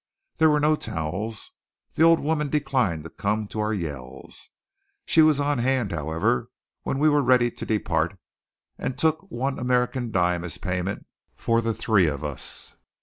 There were no towels. The old woman declined to come to our yells. She was on hand, however, when we were ready to depart, and took one American dime as payment for the three of us.